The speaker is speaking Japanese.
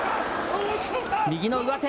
右の上手。